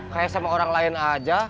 kayak sama orang lain aja